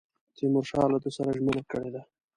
تیمورشاه له ده سره ژمنه کړې ده.